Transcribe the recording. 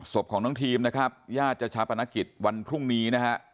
ศพของน้องทีมนะครับญาติจะชาปนกิจวันพรุ่งนี้นะฮะ